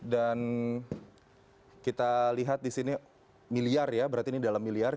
dan kita lihat di sini miliar ya berarti ini dalam miliar ya